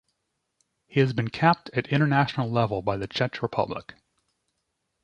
He has been capped at international level by the Czech Republic.